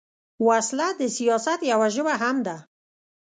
وسله د سیاست یوه ژبه هم ده